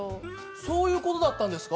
そういう事だったんですか？